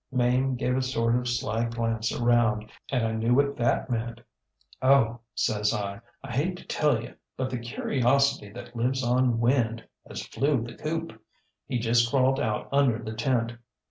ŌĆÖ ŌĆ£Mame gave a sort of sly glance around, and I knew what that meant. ŌĆ£ŌĆśOh, ŌĆÖ says I, ŌĆśI hate to tell you; but the curiosity that lives on wind has flew the coop. He just crawled out under the tent.